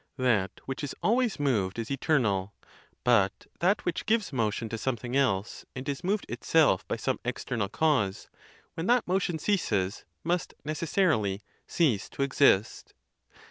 "That which is always moved is eternal; but that which gives motion to something else, and is moved itself by some external cause, when that motion ceases, must necessarily cease to exist.